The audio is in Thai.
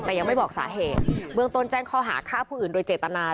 แต่ยังไม่บอกสาเหตุเบื้องต้นแจ้งข้อหาฆ่าผู้อื่นโดยเจตนา